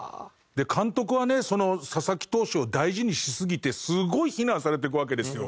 監督はね佐々木投手を大事にしすぎてすごい非難されてくわけですよ。